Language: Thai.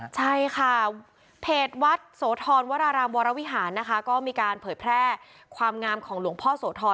ใช่ค่ะเพจวัดโสธรวรารามวรวิหารนะคะก็มีการเผยแพร่ความงามของหลวงพ่อโสธร